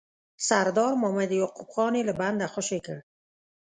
سردار محمد یعقوب خان یې له بنده خوشي کړ.